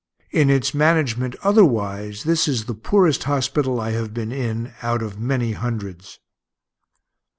In its management otherwise, this is the poorest hospital I have been in, out of many hundreds.